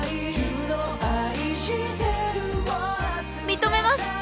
認めます！